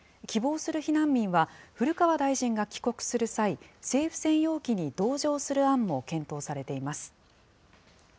希望する避難民は、古川大臣が帰国する際、政府専用機に同乗する案も検討されています。